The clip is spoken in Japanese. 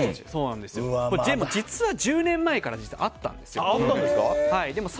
でも、実は１０年前からあったんですよ。